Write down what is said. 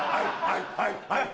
はいはいはい！